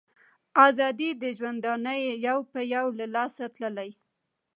آزادۍ د ژوندانه یې یو په یو له لاسه تللي